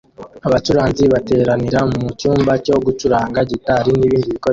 Abacuranzi bateranira mu cyumba cyo gucuranga gitari n'ibindi bikoresho